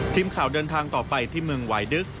ทีมข่าวเดินทางต่อไปที่เมืองหวายดึก